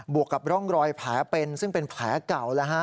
วกกับร่องรอยแผลเป็นซึ่งเป็นแผลเก่า